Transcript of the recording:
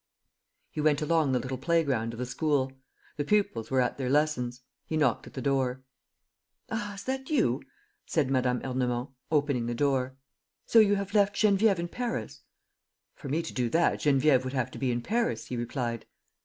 He went along the little playground of the school. The pupils were at their lessons. He knocked at the door. "Ah, is that you?" said Mme. Ernemont, opening the door. "So you have left Geneviève in Paris?" "For me to do that, Geneviève would have to be in Paris," he replied.